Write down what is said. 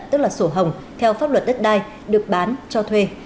tức là sổ hồng theo pháp luật đất đai được bán cho thuê